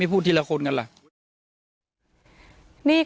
การแก้เคล็ดบางอย่างแค่นั้นเอง